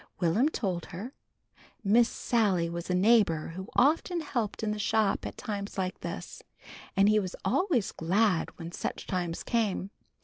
Will'm told her. Miss Sally was a neighbor who often helped in the shop at times like this, and he was always glad when such times came.